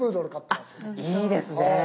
あっいいですね。